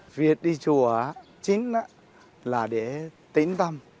việc đi chùa chính là để tĩnh tâm